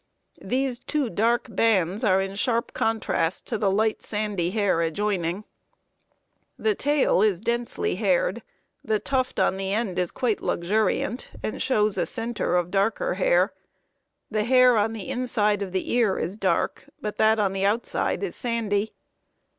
These two dark bands are in sharp contrast to the light sandy hair adjoining. The tail is densely haired. The tuft on the end is quite luxuriant, and shows a center of darker hair. The hair on the inside of the ear is dark, but that on the outside is sandy.